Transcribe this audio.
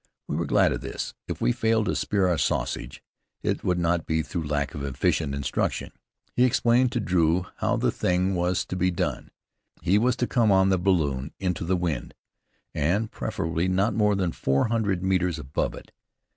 We were glad of this. If we failed to "spear our sausage," it would not be through lack of efficient instruction. He explained to Drew how the thing was to be done. He was to come on the balloon into the wind, and preferably not more than four hundred metres above it.